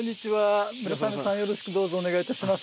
よろしくどうぞお願いいたします。